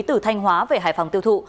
từ thanh hóa về hải phòng tiêu thụ